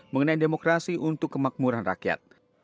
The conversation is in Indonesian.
mengenai demokrasi untuk kemakmuran rakyat